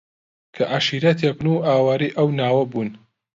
کە عەشیرەتێکن و ئاوارەی ئەو ناوە بوون